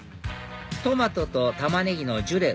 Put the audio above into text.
「トマトとたまねぎのジュレ